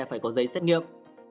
phải có giấy xét nghiệm